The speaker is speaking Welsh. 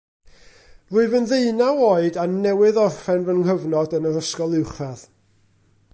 Rwyf yn ddeunaw oed a newydd orffen fy nghyfnod yn yr ysgol uwchradd